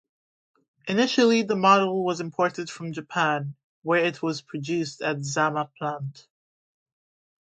Initially the model was imported from Japan, where it was produced at Zama plant.